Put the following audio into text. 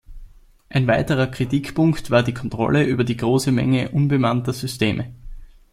Ein weiterer Kritikpunkt war die Kontrolle über die große Menge unbemannter Systeme.